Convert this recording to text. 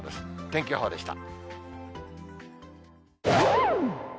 天気予報でした。